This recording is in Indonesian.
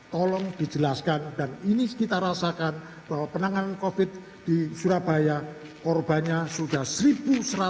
tolong dijelaskan dan ini kita rasakan bahwa penanganan covid di surabaya korbannya sudah satu satu ratus lima puluh